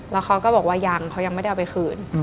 แล้วเขาก็บอกว่ายังเขายังไม่ได้เอาไปคืน